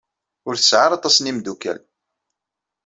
Ur tesɛa ara aṭas n yimdukal.